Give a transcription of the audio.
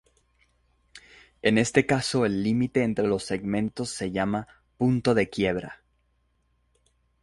En este caso el límite entre los segmentos se llama "punto de quiebra".